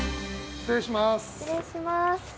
失礼します。